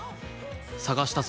探したぞ。